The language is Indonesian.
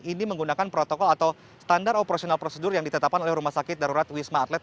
ini menggunakan protokol atau standar operasional prosedur yang ditetapkan oleh rumah sakit darurat wisma atlet